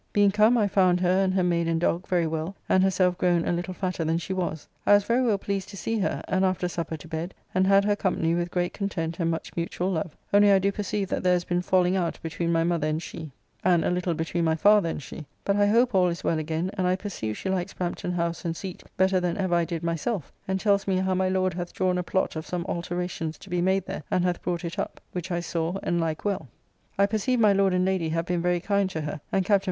Being come, I found her and her maid and dogg very well, and herself grown a little fatter than she was. I was very well pleased to see her, and after supper to bed, and had her company with great content and much mutual love, only I do perceive that there has been falling out between my mother and she, and a little between my father and she; but I hope all is well again, and I perceive she likes Brampton House and seat better than ever I did myself, and tells me how my Lord hath drawn a plot of some alteracions to be made there, and hath brought it up, which I saw and like well. I perceive my Lord and Lady have been very kind to her, and Captn.